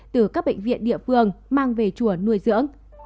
từ các bệnh viện địa phương mang về chùa nuôi dưỡng